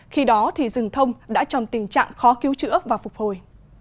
khi đó thì rừng thông đã trong tình trạng khó cứu chữa và phục hồi